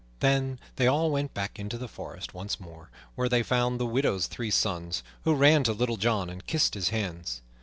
Then they all went back into the forest once more, where they found the widow's three sons, who ran to Little John and kissed his hands.